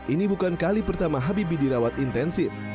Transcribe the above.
ini bukan kali pertama habibie dirawat intensif